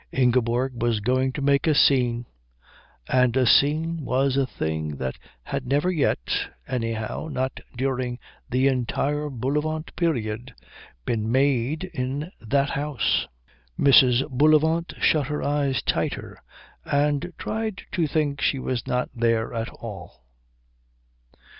Ingeborg was going to make a scene; and a scene was a thing that had never yet, anyhow not during the entire Bullivant period, been made in that house. [Illustration: "But father, I've been doing it too"] Mrs. Bullivant shut her eyes tighter and tried to think she was not there at all.